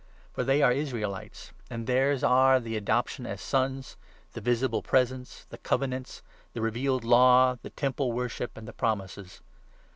For they are 4 Israelites, and theirs are the adoption as Sons, the visible Presence, the Covenants, the revealed Law, the Temple wor ship, and the Promises.